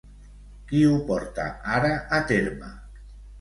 Qui ho porta ara a terme?